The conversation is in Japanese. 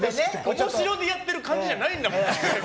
面白でやってる感じじゃないんだから。